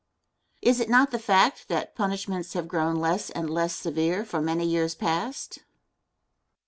Question. Is it not the fact that punishments have grown less and less severe for many years past?